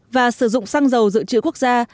và sử dụng xăng dầu dự trữ quốc gia